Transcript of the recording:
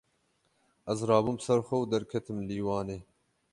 Ez rabûm ser xwe û derketim lîwanê.